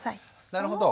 なるほど。